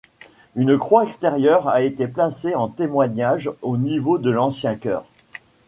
Une croix extérieure a été placée en témoignage au niveau de l'ancien chœur.